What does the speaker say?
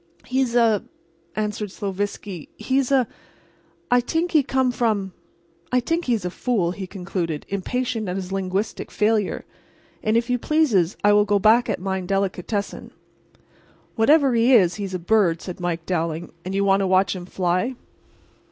"He is a"—answered Sloviski—"he is a—I dink he come from—I dink he is a fool," he concluded, impatient at his linguistic failure, "and if you pleases I will go back at mine delicatessen." "Whatever he is, he's a bird," said Mike Dowling; "and you want to watch him fly."